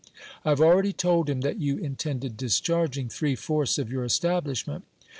I have already told him that you intended discharging three fourths of your establishment.